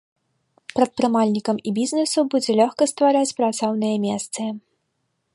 Прадпрымальнікам і бізнесу будзе лёгка ствараць працоўныя месцы.